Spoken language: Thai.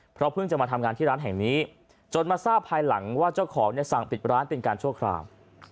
เพราะเพิ่งจะมาทำงานที่ร้านแห่งนี้จนมาทราบภายหลังว่าเจ้าของเนี่ยสั่งปิดร้านเป็นการชั่วคราว